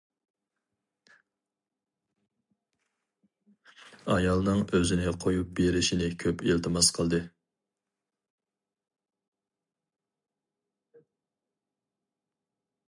ئايالنىڭ ئۆزىنى قويۇپ بېرىشىنى كۆپ ئىلتىماس قىلدى.